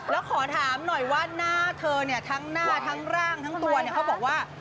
แล้วขอถามหน่อยว่าหน้าเธอเนี่ยทั้งหน้าทั้งร่างทั้งตัวเนี่ยเขาบอกว่า